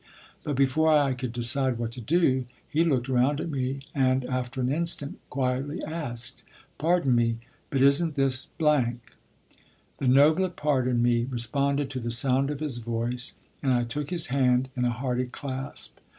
But before I could decide what to do, he looked around at me and, after an instant, quietly asked: "Pardon me; but isn't this ?" The nobler part in me responded to the sound of his voice and I took his hand in a hearty clasp.